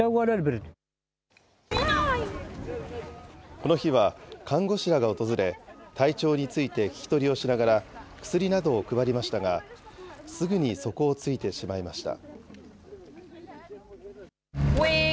この日は、看護師らが訪れ、体調について聞き取りをしながら、薬などを配りましたが、すぐに底をついてしまいました。